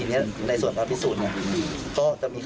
อิคเตี้ย์วิต้องขอแค่จริงครับพี่